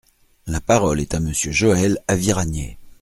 La parole est à Monsieur Joël Aviragnet.